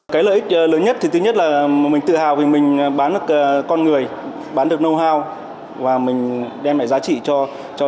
cái lợi ích lớn nhất thì thứ nhất là mình tự hào vì mình bán được con người bán được nâu hao và mình đem lại giá trị cho